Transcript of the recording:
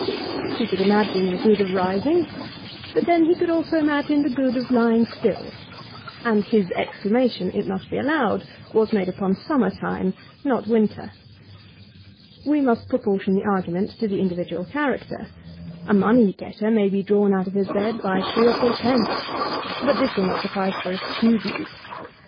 He could imagine the good of rising ; but then he could also imagine the good of lying still; and his exclamation, it must be allowed, was made upon summer time, not winter. We must proportion the argument to the individual character. A money getter may be drawn out of his bed by three and four pence ; but this will not suffice for a student.